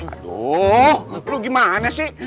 aduh lu gimana sih